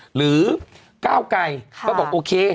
หรือก้าวไก่ก็บอกโอเค